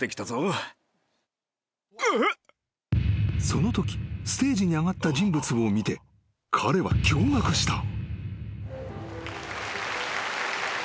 ［そのときステージに上がった人物を見て彼は驚愕した］